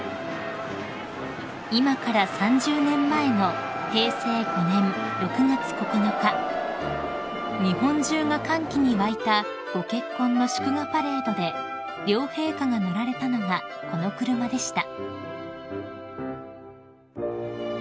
［今から３０年前の平成５年６月９日日本中が歓喜に沸いたご結婚の祝賀パレードで両陛下が乗られたのがこの車でした］